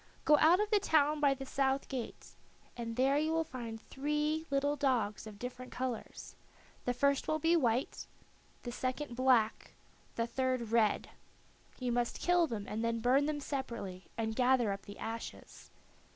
Go out of the town by the south gate, and there you will find three little dogs of different colors; the first will be white, the second black, the third red. You must kill them and then burn them separately, and gather up the ashes.